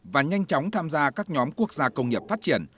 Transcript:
và nhanh chóng tham gia các nhóm quốc gia công nghiệp phát triển